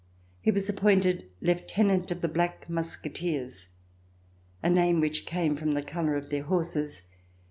He was appointed Lieutenant of the Black Musketeers, a name which came from the color of their horses.